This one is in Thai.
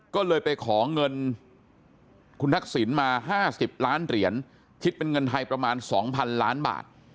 ก็เลยไปขอเงินคุณทักษิณมา๕๐ล้านเหรียญคิดเป็นเงินไทยประมาณ๒๐๐๐ล้านบาท